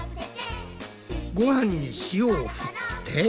ごはんに塩をふって。